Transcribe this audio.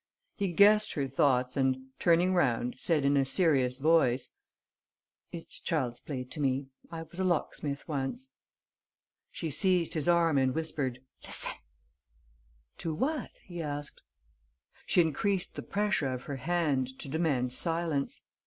He guessed her thoughts and, turning round, said in a serious voice: "It's child's play to me. I was a locksmith once." She seized his arm and whispered: "Listen!" "To what?" he asked. She increased the pressure of her hand, to demand silence.